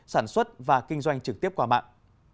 sản xuất và kinh doanh trực tiếp qua mạng